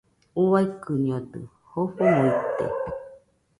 Uaikɨñodɨ jofomo ite.